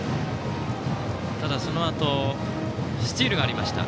ただ、そのあとスチールがありました。